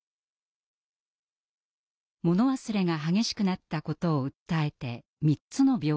物忘れが激しくなったことを訴えて３つの病院を受診。